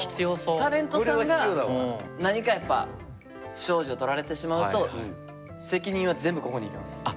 タレントさんが何かやっぱ不祥事を撮られてしまうと責任は全部ここにいきます。